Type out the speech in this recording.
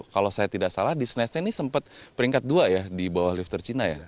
kalau saya tidak salah di snetsnya ini sempat peringkat dua ya di bawah lifter china ya